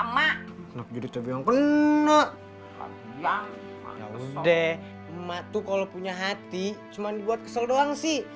emak emak gitu tapi yang kena yang udah emak tuh kalau punya hati cuman buat kesel doang sih